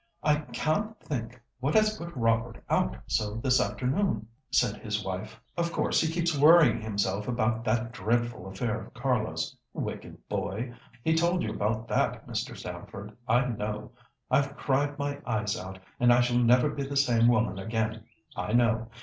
"I can't think what has put Robert out so this afternoon," said his wife, "of course he keeps worrying himself about that dreadful affair of Carlo's—wicked boy! He told you about that, Mr. Stamford, I know. I've cried my eyes out, and I shall never be the same woman again, I know.